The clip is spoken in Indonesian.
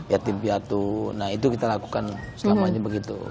yatibiyatu nah itu kita lakukan selamanya begitu